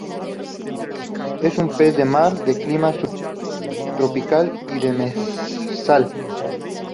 Es un pez de mar, de clima subtropical y demersal.